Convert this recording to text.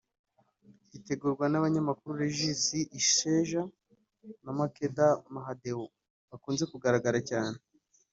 Gitegurwa n’abanyamakuru Regis Isheja na Makeda Mahadeo bakunze kugaragara cyane